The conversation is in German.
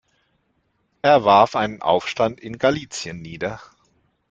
Er warf einen Aufstand in Galicien nieder.